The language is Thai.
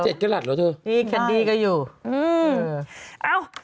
เจ็ดกระดาษเหรอเถอะนี่แคนดี้ก็อยู่อืมเอ้า